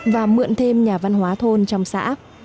và mượn thêm nhà văn hóa thôn trong xã